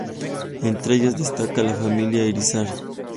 Entre ellas destaca la familia Irízar.